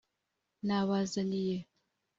Nabazaniye